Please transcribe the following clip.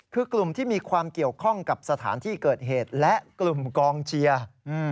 คือกลุ่มที่มีความเกี่ยวข้องกับสถานที่เกิดเหตุและกลุ่มกองเชียร์